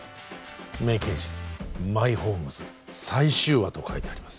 「名刑事マイホームズ」最終話と書いてあります